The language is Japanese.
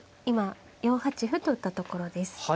今４八歩と打ったところです。